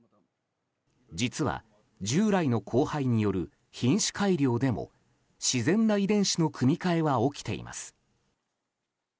実は従来の交配による品種改良でも自然な遺伝子の組み換えは起きています。